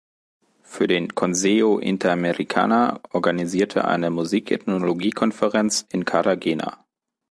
Für den "Consejo Interamericana" organisierte eine Musikethnologie-Konferenz in Cartagena.